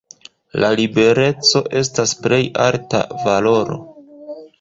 La libereco estas plej alta valoro.